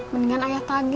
mendingan ayah tagi